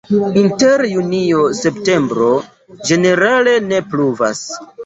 Inter junio-septembro ĝenerale ne pluvas.